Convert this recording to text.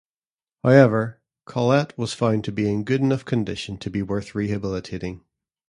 However, "Collett" was found to be in good enough condition to be worth rehabilitating.